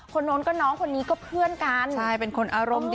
คนนก็น้องคนนีก็เพื่อนกัน